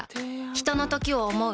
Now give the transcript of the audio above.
ひとのときを、想う。